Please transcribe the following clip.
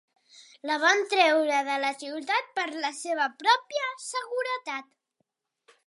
La van treure de la ciutat per la seva pròpia seguretat.